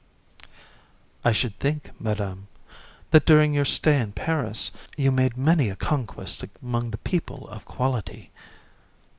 JU. I should think, Madam, that during your stay in Paris you made many a conquest among the people of quality.